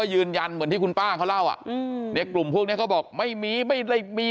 ยืนยันเขาเล่าอ่ะในกลุ่มพวกนี้เขาบอกไม่มีไม่ได้มี